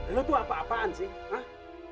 lo itu apa apaan sih